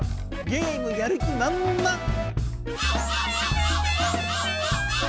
ゲームやる気まんまん！